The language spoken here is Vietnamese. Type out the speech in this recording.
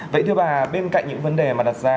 vậy thưa bà bên cạnh những vấn đề mà đặt ra